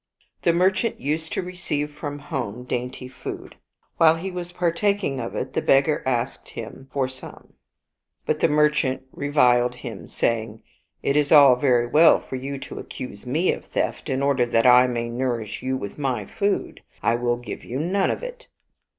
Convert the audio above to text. The merchant used to receive from home dainty food. While he was partaking of it the beggar asked him for 196 Mahaushadha some. But the merchant reviled him, saying, " It is all very well for you to accuse me of theft in order that I may nour ish you with my food. I will give you none of it."